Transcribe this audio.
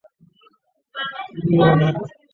凸四边形的两条对角线将自身分成四个三角形。